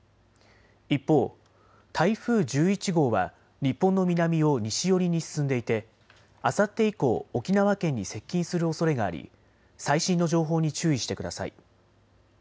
一方、台風１１号は日本の南を西寄りに進んでいてあさって以降、沖縄県に接近するおそれがあり最新の情報に注意してください。